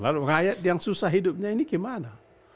lalu rakyat yang susah hidupnya ini gimana